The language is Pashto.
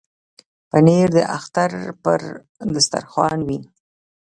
پنېر د اختر پر دسترخوان وي.